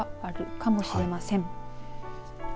かもしれません